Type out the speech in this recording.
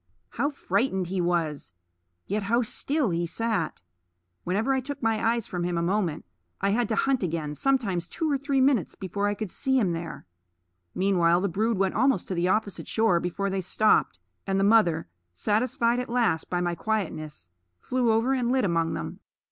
How frightened he was! Yet how still he sat! Whenever I took my eyes from him a moment I had to hunt again, sometimes two or three minutes, before I could see him there. Meanwhile the brood went almost to the opposite shore before they stopped, and the mother, satisfied at last by my quietness, flew over and lit among them.